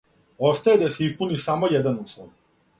Остаје да се испуни само један услов.